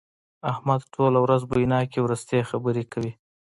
احمد ټوله ورځ بويناکې ورستې خبرې کوي.